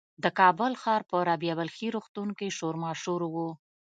د کابل ښار په رابعه بلخي روغتون کې شور ماشور و.